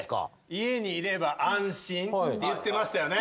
家にいれば安心って言ってましたよね？